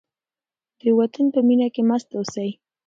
د وطن په مینه کې مست اوسئ.